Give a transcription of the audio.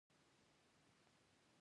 د سید کرم ولسوالۍ اوبه لري